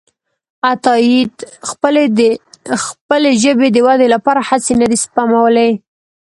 عطاييد خپلې ژبې د ودې لپاره هڅې نه دي سپمولي.